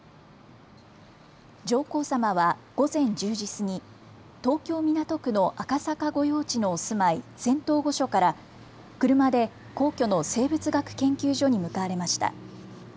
上皇さまは午前１０時過ぎ、東京港区の赤坂御用地のお住まい、仙洞御所から車で皇居の生物学研究所に向かわれました。